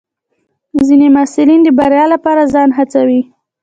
ځینې محصلین د بریا لپاره ځان هڅوي.